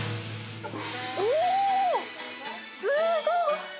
おー、すごい！